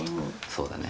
そうだね。